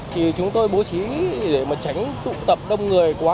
thì chúng tôi bố trí để mà tránh tụ tập đông người quá